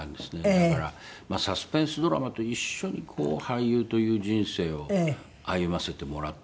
だからサスペンスドラマと一緒に俳優という人生を歩ませてもらってきたので。